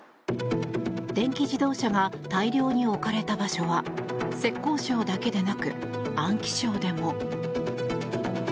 電気自動車が大量に置かれた場所は浙江省だけでなく、安徽省でも。